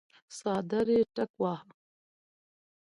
څادر يې ټکواهه.